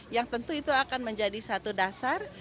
yang tentu itu akan menjadi satu dasar